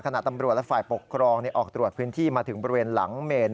ตำรวจและฝ่ายปกครองออกตรวจพื้นที่มาถึงบริเวณหลังเมน